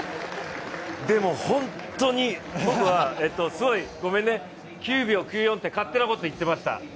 でも、本当に僕はすごい、ごめんね、９秒９４って勝手なことを言っていました。